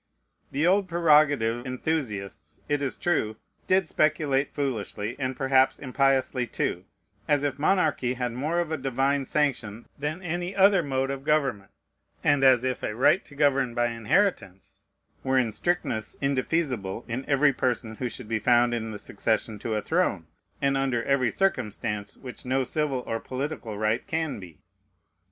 The old prerogative enthusiasts, it is true, did speculate foolishly, and perhaps impiously too, as if monarchy had more of a divine sanction than any other mode of government, and as if a right to govern by inheritance were in strictness indefeasible in every person who should be found in the succession to a throne, and under every circumstance, which no civil or political right can be.